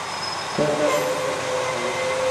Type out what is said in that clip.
ایا تاسې د چکر لپاره کالي اخلئ؟